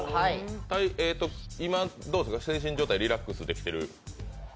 今、精神状態はリラックスできてる？